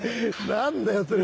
何だよそれ。